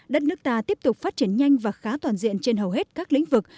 đất nước ta tiếp tục phát triển nhanh và khá toàn diện trên hầu hết các lĩnh vực